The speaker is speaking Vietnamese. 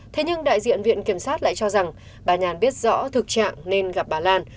thế nhưng đại diện viện kiểm sát lại cho rằng bà nhàn biết rõ thực trạng nên gặp bà lan